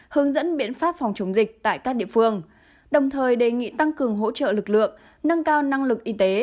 hướng dẫn biện pháp phòng chống dịch tại các địa phương đồng thời đề nghị tăng cường hỗ trợ lực lượng nâng cao năng lực y tế